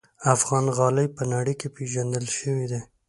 افغان غالۍ په نړۍ کې پېژندل شوي دي.